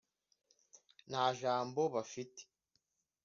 nta jambo bafite